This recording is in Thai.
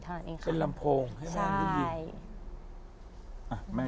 เป็นลำโมงให้บอกผม